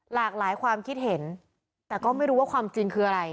หลากหลายความคิดเห็นแต่ก็ไม่รู้ว่าความจริงคืออะไร